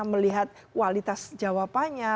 melihat kualitas jawabannya